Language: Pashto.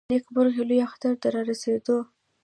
د نېکمرغه لوی اختر د رارسېدو .